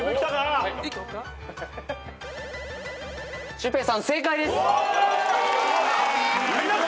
シュウペイさん正解です。